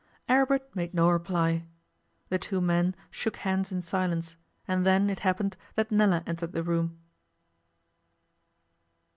Aribert made no reply. The two men shook hands in silence, and then it happened that Nella entered the room.